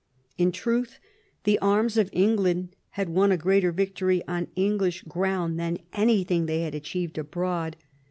In truth the arms of England had won a greater vic tory on English ground than anything they had achieved abroad.